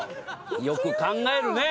よく考えるね。